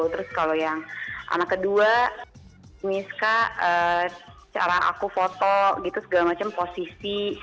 terus kalau yang anak kedua miska cara aku foto gitu segala macam posisi